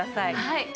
はい。